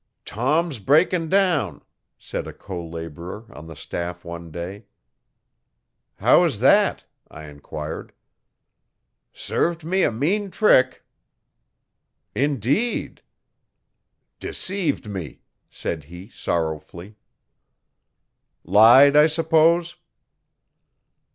'Tom's breaking down,' said a co labourer on the staff one day. 'How is that?' I enquired. 'Served me a mean trick.' 'Indeed!' 'Deceived me,' said he sorrowfully. 'Lied, I suppose?'